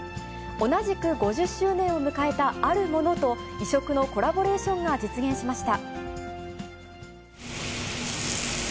同じく５０周年を迎えた、あるものと、異色のコラボレーションが実現しました。